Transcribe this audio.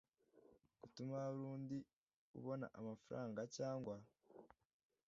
gutuma hari undi ubona amafaranga cyangwa